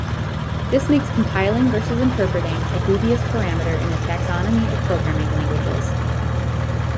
This makes compiling versus interpreting a dubious parameter in a taxonomy of programming languages.